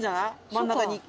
真ん中に。